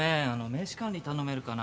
名刺管理頼めるかな？